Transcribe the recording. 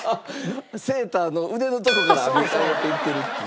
セーターの腕のとこから編み上げていってるっていう。